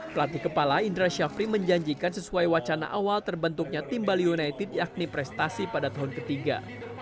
pelatih kepala indra syafri menjanjikan sesuai wacana awal terbentuknya tim bali united yakni prestasi pada tahun ketiga